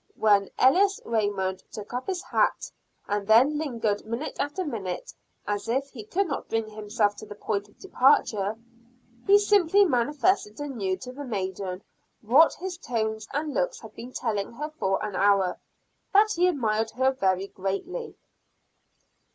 When Ellis Raymond took up his hat, and then lingered minute after minute, as if he could not bring himself to the point of departure, he simply manifested anew to the maiden what his tones and looks had been telling her for an hour, that he admired her very greatly.